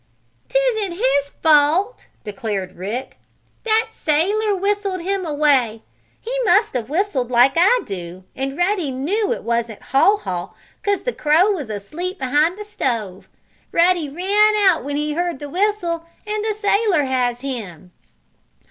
"'Tisn't his fault!" declared Rick. "That sailor whistled him away. He must have whistled like I do, and Ruddy knew it wasn't Haw Haw, 'cause the crow was asleep behind the stove. Ruddy ran out when he heard the whistle, and the sailor has him."